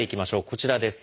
こちらです。